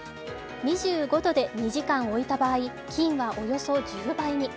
２５度で２時間置いた場合、菌はおよそ１０倍に。